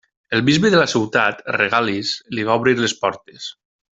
El bisbe de la ciutat, Regalis, li va obrir les portes.